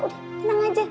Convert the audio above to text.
udah tenang aja